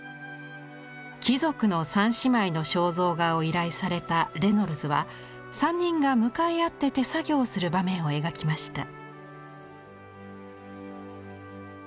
貴族の三姉妹の肖像画を依頼されたレノルズは３人が向かい合って手作業をする場面を描きました。